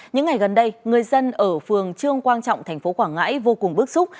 những ngày gần đây người dân ở phường trương quang trọng thành phố quảng ngãi vô cùng bức xúc